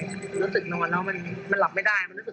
รู้สึกนอนแล้วมันหลับไม่ได้ร้อนร้อนใจ